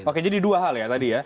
oke jadi dua hal ya tadi ya